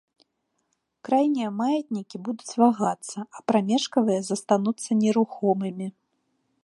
Крайнія маятнікі будуць вагацца, а прамежкавыя застануцца нерухомымі.